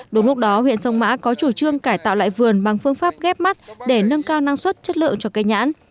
đúng lúc đó huyện sông mã có chủ trương cải tạo lại vườn bằng phương pháp ghép mắt để nâng cao năng suất chất lượng cho cây nhãn